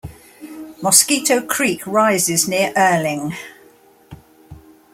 Mosquito Creek rises near Earling.